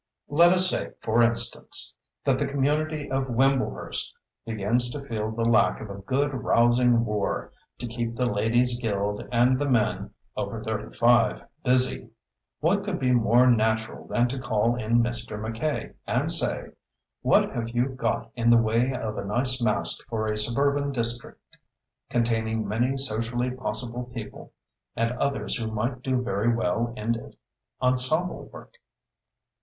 Let us say, for instance, that the community of Wimblehurst begins to feel the lack of a good, rousing war to keep the Ladies' Guild and the men over thirty five busy. What could be more natural than to call in Mr. Mackaye, and say: "What have you got in the way of a nice masque for a suburban district containing many socially possible people and others who might do very well in ensemble work?"